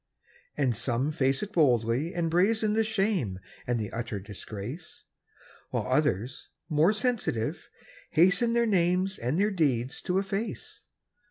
And some face it boldly, and brazen The shame and the utter disgrace; While others, more sensitive, hasten Their names and their deeds to efface.